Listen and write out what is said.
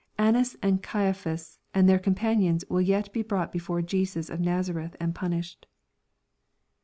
Annas and Caia^ phas and their companions will yet be brought before Jesus o'* Nazareth and punished.